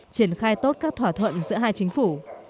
triển khai tốt các thỏa thuận giữa hai chính phủ